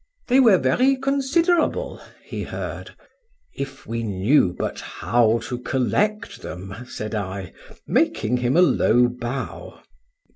They were very considerable, he heard.—If we knew but how to collect them, said I, making him a low bow.